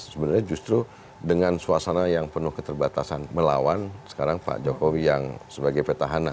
sebenarnya justru dengan suasana yang penuh keterbatasan melawan sekarang pak jokowi yang sebagai petahana